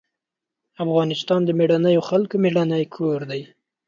افغانستان د مېړنيو خلکو مېړنی کور دی.